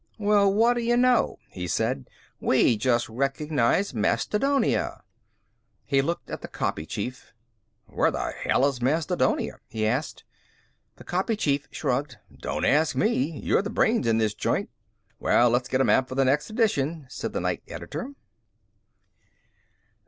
"Well, what do you know!" he said. "We just recognized Mastodonia." He looked at the copy chief. "Where the hell is Mastodonia?" he asked. The copy chief shrugged. "Don't ask me. You're the brains in this joint." "Well, let's get a map for the next edition," said the night editor.